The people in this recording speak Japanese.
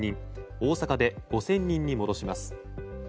大阪で５０００人に戻します。